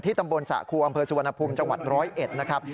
ตำบลสะครูอำเภอสุวรรณภูมิจังหวัด๑๐๑นะครับ